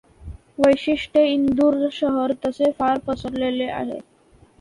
वैशिष्ट्ये इंदूर शहर तसे फार पसरलेले आहे.